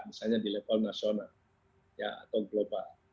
misalnya di level nasional atau global